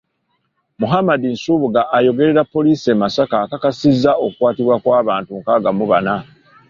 Muhammad Nsubuga ayogerera poliisi e Masaka akakasizza okukwatibwa kw'abantu nkaaga mu bana.